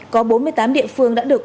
có bốn mươi tám địa phương đã được